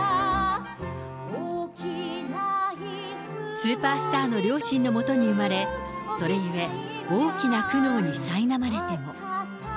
スーパースターの両親のもとに生まれ、それゆえ、大きな苦悩にさいなまれても。